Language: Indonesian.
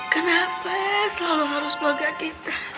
kenapa selalu harus keluarga kita